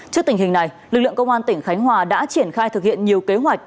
trước tình hình này lực lượng công an tỉnh khánh hòa đã triển khai thực hiện nhiều kế hoạch